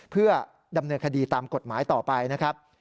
เพื่อดำเนินคดีตามกฎหมายต่อไปนะครับ